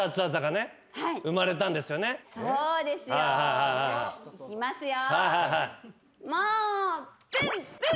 そうですよいきますよ。